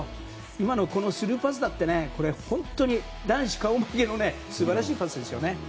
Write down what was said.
今のスルーパスだって本当に男子顔負けの素晴らしいパスですよね。